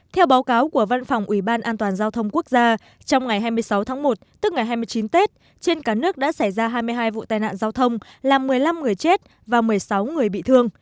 theo báo cáo của văn phòng ủy ban an toàn giao thông quốc gia trong ngày hai mươi sáu tháng một tức ngày hai mươi chín tết trên cả nước đã xảy ra hai mươi hai vụ tai nạn giao thông làm một mươi năm người chết và một mươi sáu người bị thương